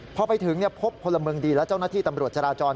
พอไปถึงพบพลเมืองดีและเจ้าหน้าที่ตำรวจจราจร